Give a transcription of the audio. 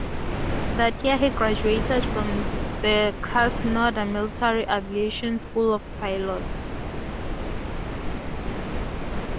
That year he graduated from the Krasnodar Military Aviation School of Pilots.